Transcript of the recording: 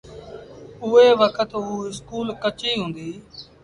اُئي وکت اُ اسڪول ڪچيٚ هُݩدي۔